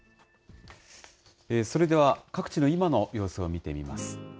それでは、各地の今の様子を見てみます。